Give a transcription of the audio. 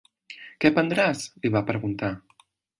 "Què prendràs?" li va preguntar.